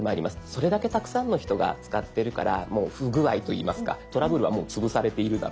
それだけたくさんの人が使ってるからもう不具合といいますかトラブルはもう潰されているだろうとか。